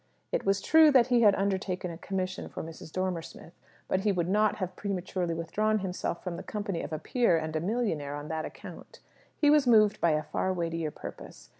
It was true that he had undertaken a commission for Mrs. Dormer Smith; but he would not have prematurely withdrawn himself from the company of a peer and a millionaire, on that account. He was moved by a far weightier purpose.